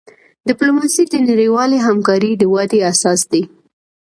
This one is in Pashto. ډیپلوماسي د نړیوالی همکاری د ودي اساس دی.